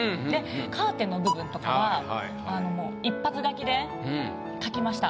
カーテンの部分とかは。で描きました。